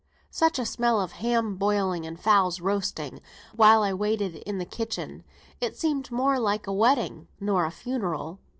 Such a smell of ham boiling and fowls roasting while I waited in the kitchen; it seemed more like a wedding nor a funeral.